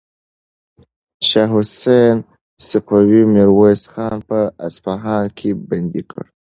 شاه حسین صفوي میرویس خان په اصفهان کې بندي کړ.